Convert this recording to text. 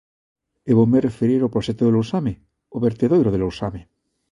E voume referir ao proxecto de Lousame, o vertedoiro de Lousame.